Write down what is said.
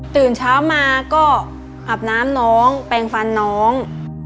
ตื่นเช้ามาก็อาบน้ำน้องแปลงฟันน้อง